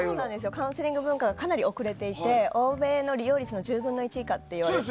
カウンセリング文化がかなり遅れていて欧米の利用率の１０分の１以下と言われてて。